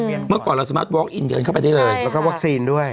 อืมเมื่อก่อนเราสมาร์ทเดี๋ยวเข้าไปได้เลยใช่ค่ะแล้วก็วัคซีนด้วย